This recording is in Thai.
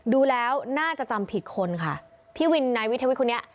ดูแล้วน่าจะจำผิดคนค่ะพี่วินนายวิทวิทย์คนนี้